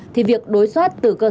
thì việc đối soát từ cơ sở dựa